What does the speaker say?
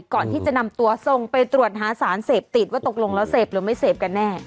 ก่อนที่จะนำตัวส่งไปตรวจหาสารเสพติดว่าตกลงแล้วเสพหรือไม่เสพกันแน่